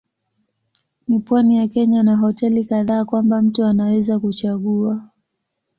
Ni pwani ya Kenya na hoteli kadhaa kwamba mtu anaweza kuchagua.